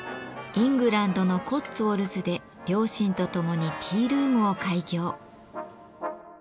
イングランドのコッツウォルズで両親と共にティールームを開業。